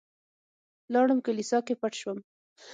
لاړم کليسا کې پټ شوم.